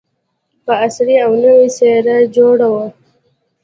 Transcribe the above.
په عصري او نوې څېره جوړه وه.